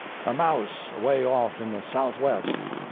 A mouse away off in the southwest.